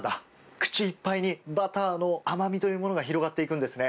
口いっぱいにバターの甘みというものが広がっていくんですね。